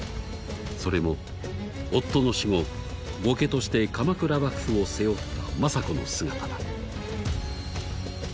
それも夫の死後後家として鎌倉幕府を背負った政子の姿だ。